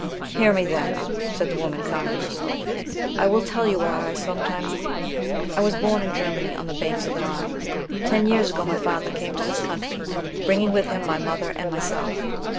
"Hear me, then," said the woman calming herself: "I will tell you why I sometimes weep. I was born in Germany, on the banks of the Rhine. Ten years ago my father came to this country, bringing with him my mother and myself.